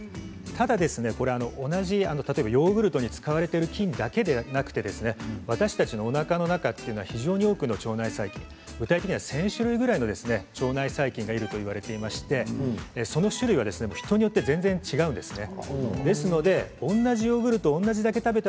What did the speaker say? ただ、同じヨーグルトに使われている菌だけでなくて私たちのおなかの中というのは非常に多くの腸内細菌具体的には１０００種類以上の腸内細菌がいるといわれていましてその種類は人によって全然、違うんですね。